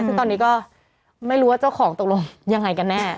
ซึ่งตอนนี้ก็ไม่รู้ว่าเจ้าของตกลงยังไงกันแน่